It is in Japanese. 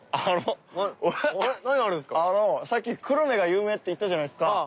あのさっきくろめが有名って言ったじゃないですか。